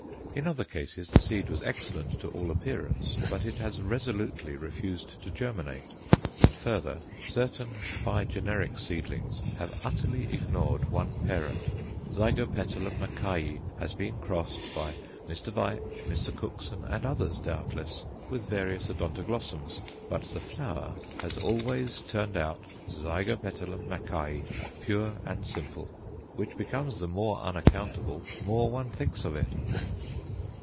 In other cases the seed was excellent to all appearance, but it has resolutely refused to germinate. And further, certain by generic seedlings have utterly ignored one parent. Zygopetalum Mackayi has been crossed by Mr. Veitch, Mr. Cookson, and others doubtless, with various Odontoglossums, but the flower has always turned out Zygopetalum Mackayi pure and simple which becomes the more unaccountable more one thinks of it.